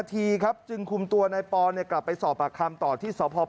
พระเจ้าขอบคุณครับ